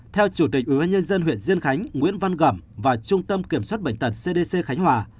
theo chủ tịch ubnd huyện diên khánh nguyễn văn gẩm và trung tâm kiểm soát bệnh tật cdc khánh hòa